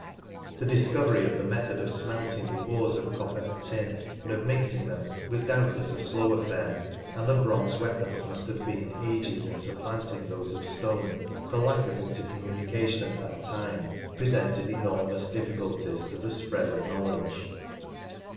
The discovery of the method of smelting the ores of copper and tin and of mixing them was doubtless a slow affair, and the bronze weapons must have been ages in supplanting those of stone, for lack of intercommunication at that time presented enormous difficulties to the spread of knowledge.